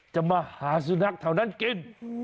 จะมาหาสุนัขแถวนั้นกิน